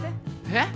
えっ？